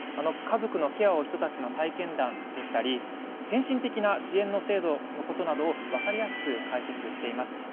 家族のケアをした人たちの体験談でしたり先進的な支援制度のことなど分かりやすく解説しています。